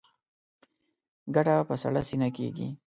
ګټه په سړه سینه کېږي.